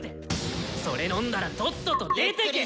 それ飲んだらとっとと出てけ！